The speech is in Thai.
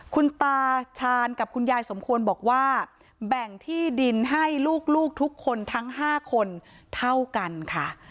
คุณตาชาญกับคุณยายสมควรบอกว่าแบ่งที่ดินให้ลูกทุกคนทั้ง๕คนเท่ากันค่ะ